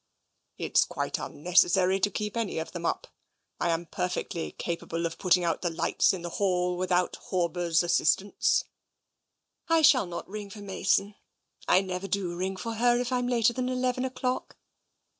" It's quite unnecessary to keep any of them up. I TENSION 273 am perfectly capable of putting out the lights in the hall without Horber's assistance "" I shall not ring for Mason. I never do ring for her if I'm later than eleven o'clock.